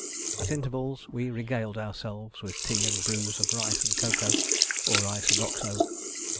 At intervals we regaled ourselves with tea and brews of rice and cocoa, or rice and Oxo.